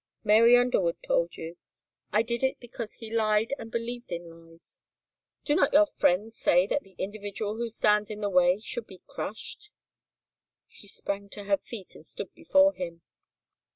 Mary Underwood told you. I did it because he lied and believed in lies. Do not your friends say that the individual who stands in the way should be crushed?" She sprang to her feet and stood before him.